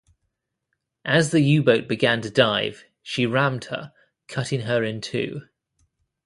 As the U-boat began to dive, she rammed her, cutting her in two.